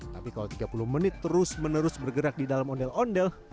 tapi kalau tiga puluh menit terus menerus bergerak di dalam ondel ondel